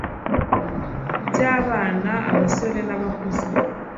by abana abasore n abakuze